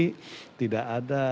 jadi tidak ada